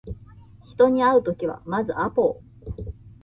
人に会うときはまずアポを